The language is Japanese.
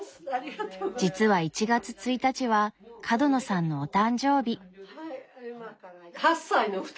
実は１月１日は角野さんのお誕生日。